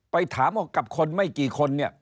ไปถามว่ากับคนไม่กี่คนเนี่ย